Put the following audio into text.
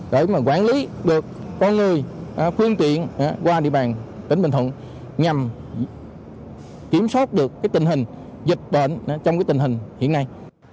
để mà quản lý được người phương tiện qua địa bàn tỉnh bình thuận nhằm kiểm soát được tình hình dịch bệnh trong tình hình hiện nay